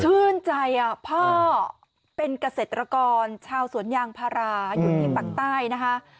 ชื่นใจพ่อเป็นเกษตรกรชาวสวนยางพาราอยู่ที่ปากใต้นะคะ